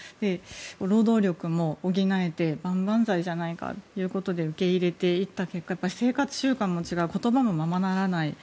労働力も補えて万々歳じゃないかということで受け入れていった結果生活習慣も違う言葉もままならない。